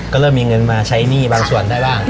ก็เริ่มมีเงินมาใช้หนี้บางส่วนได้บ้าง